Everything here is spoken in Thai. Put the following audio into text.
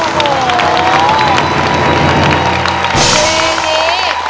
ยงนี้